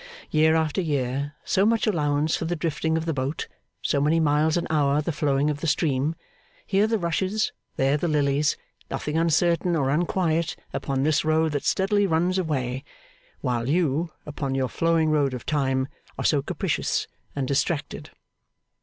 Year after year, so much allowance for the drifting of the boat, so many miles an hour the flowing of the stream, here the rushes, there the lilies, nothing uncertain or unquiet, upon this road that steadily runs away; while you, upon your flowing road of time, are so capricious and distracted.